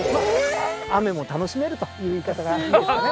雨も楽しめるという言い方がいいですかね。